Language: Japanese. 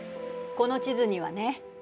この地図にはね